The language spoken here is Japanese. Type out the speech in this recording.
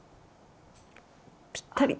ぴったり！